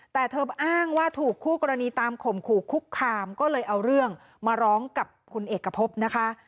แต่เธออ้างว่าถูกคู่กรณีตามข่มขู่คุกคามก็เลยเอาเรื่องมาร้องกับคุณเอกพบนะคะ